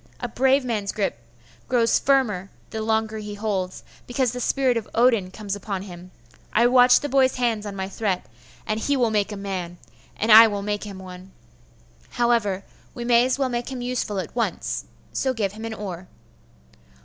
A brave man's grip grows the firmer the longer he holds, because the spirit of Odin comes upon him. I watched the boy's hands on my threat; and he will make a man; and I will make him one. However, we may as well make him useful at once; so give him an oar.